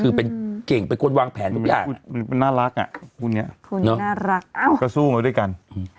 เอ๊บไว้ก่อน